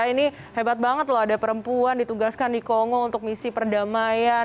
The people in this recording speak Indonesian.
ini hebat banget loh ada perempuan ditugaskan di kongo untuk misi perdamaian